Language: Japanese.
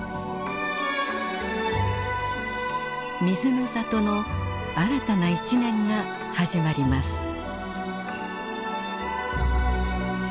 水の里の新たな一年が始まります。